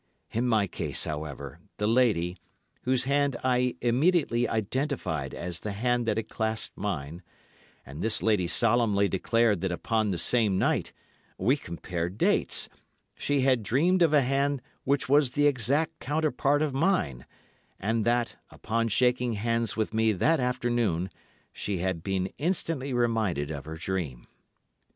In my case, however, the lady, whose hand I immediately identified as the hand that had clasped mine, and this lady solemnly declared that upon the same night—we compared dates—she had dreamed of a hand which was the exact counterpart of mine, and that, upon shaking hands with me that afternoon, she had been instantly reminded of her dream.